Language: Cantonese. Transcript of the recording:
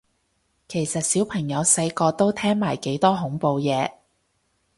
其實小朋友細個都聽埋幾多恐怖嘢